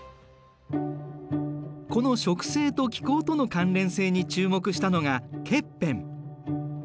この植生と気候との関連性に注目したのがケッペン。